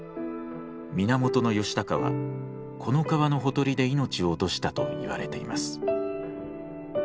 源義高はこの川のほとりで命を落としたといわれています。